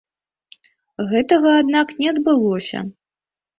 Гэтага, аднак, не адбылося.